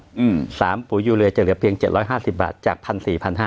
อืมสามปุ๋ยยูเรือจะเหลือเพียงเจ็ดร้อยห้าสิบบาทจากพันสี่พันห้า